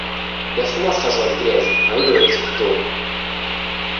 Я с ума схожу от грязи, а вы говорите — дом!